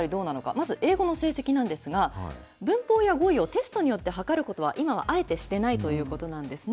まず英語の成績なんですが、文法や語彙をテストによって測ることは、今はあえてしてないということなんですね。